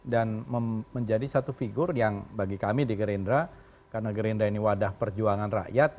dan menjadi satu figur yang bagi kami di gerindra karena gerindra ini wadah perjuangan rakyat